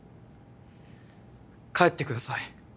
帰ってください